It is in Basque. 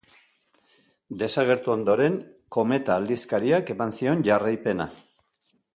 Desagertu ondoren, Kometa aldizkariak eman zion jarraipena.